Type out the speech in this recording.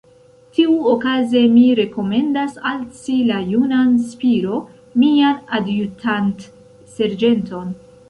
Tiuokaze, mi rekomendas al ci la junan Spiro, mian adjutant-serĝenton.